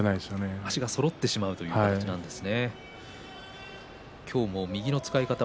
足がそろってしまうということですね。